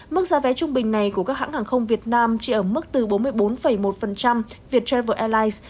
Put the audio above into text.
mức giá vé trung bình này của các hãng hàng không việt nam chỉ ở mức từ bốn mươi bốn một viettravel airlines